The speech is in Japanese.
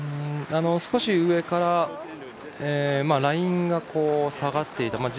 少し上からラインが下がっていた。